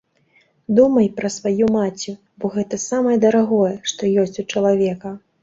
Думай пра сваю маці, бо гэта самае дарагое, што ёсць у чалавека.